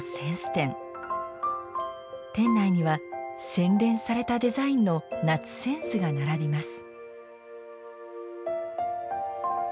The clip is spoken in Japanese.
店内には洗練されたデザインの夏扇子が並びます。